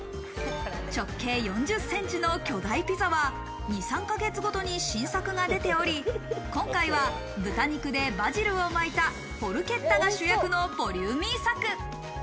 直径４０ｃｍの巨大ピザは２３か月ごとに新作が出ており、今回は豚肉でバジルを巻いたポルケッタが主役ボリューミー作。